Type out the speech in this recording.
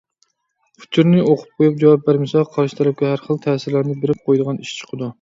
ئۇچۇرنى ئوقۇپ قويۇپ جاۋاب بەرمىسە، قارشى تەرەپكە ھەر خىل تەسىرلەرنى بېرىپ قويىدىغان ئىش چىقىدۇ.